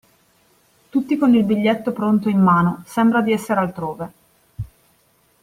Tutti con il biglietto pronto in mano, sembra di essere altrove.